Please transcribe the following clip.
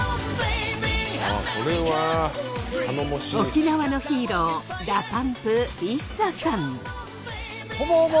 沖縄のヒーローＤＡＰＵＭＰＩＳＳＡさん。